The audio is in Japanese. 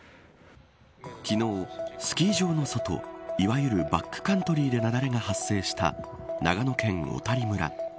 昨日、スキー場の外いわゆるバックカントリーで雪崩が発生した長野県小谷村。